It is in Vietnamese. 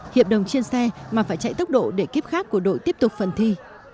hiệp đồng trên xe mà phải chạy tốc độ để kiếp khác của đội tiếp tục phần thi